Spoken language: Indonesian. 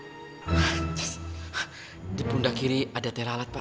aduh di bunda kiri ada teralat pak